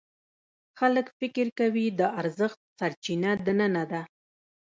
خلک فکر کوي د ارزښت سرچینه دننه ده.